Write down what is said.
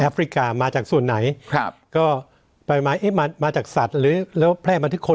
ฟริกามาจากส่วนไหนครับก็ไปมาเอ๊ะมาจากสัตว์หรือแล้วแพร่มาที่คน